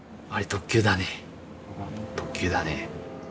特急だね。